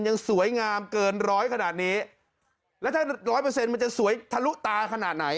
ยังสวยงามเกินร้อยขนาดนี้แล้วถ้าร้อยเปอร์เซ็นต์มันจะสวยทะลุตาขนาดไหน